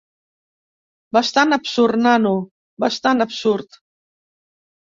Bastant absurd, nano, bastant absurd.